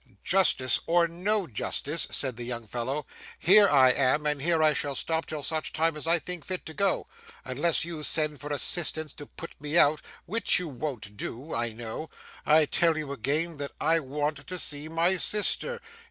'Justice or no justice,' said the young fellow, 'here I am and here I shall stop till such time as I think fit to go, unless you send for assistance to put me out which you won't do, I know. I tell you again that I want to see my sister.